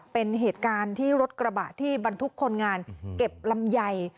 เป็นเหตุการณ์ที่รถกระบะที่บรรทุกคนงานเก็บลำไย